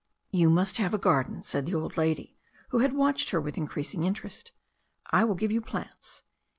"You must have a garden," said the old lady, who had watched her with increasing interest. "I will give you plants."